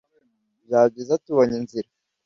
Byaba byiza tubonye inzira